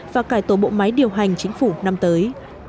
và cải tổ bộ máy điều hành chính phủ năm tới